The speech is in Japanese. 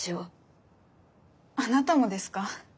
あなたもですか？